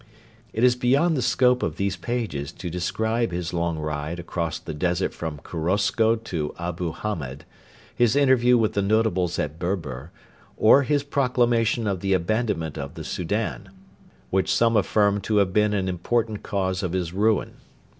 It is beyond the scope of these pages to describe his long ride across the desert from Korosko to Abu Hamed, his interview with the notables at Berber, or his proclamation of the abandonment of the Soudan, which some affirm to have been an important cause of his ruin.